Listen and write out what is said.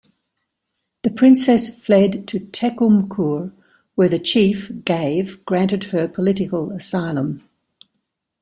The princess fled to Tekkumkur where the chief gave granted her political asylum.